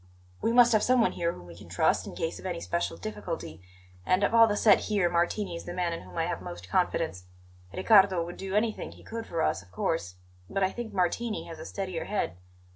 "We must have someone here whom we can trust, in case of any special difficulty; and of all the set here Martini is the man in whom I have most confidence. Riccardo would do anything he could for us, of course; but I think Martini has a steadier head.